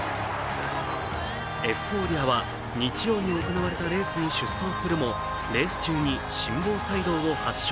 エフフォーリアは日曜に行われたレースに出走するもレース中に心房細動を発症。